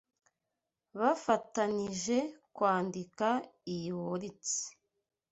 bafatanije kwandika iyi wolitsi